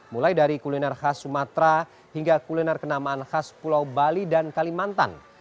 mulai dari kuliner khas sumatera hingga kuliner kenamaan khas pulau bali dan kalimantan